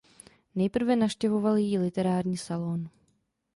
Nejprve navštěvoval její literární salón.